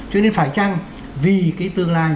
cho nên phải chăng vì cái tương lai